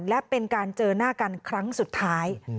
และเป็นการเจอหน้ากันครั้งสุดท้าย